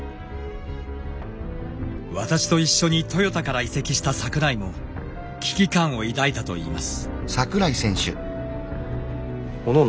私と一緒にトヨタから移籍した桜井も危機感を抱いたといいます。